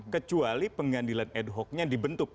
kecuali pengadilan ad hoc nya dibentuk